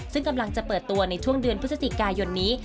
ซึ่งกำลังจะเปิดตัวในช่วงเดือนพฤศจิกายนนี้